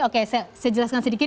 oke saya jelaskan sedikit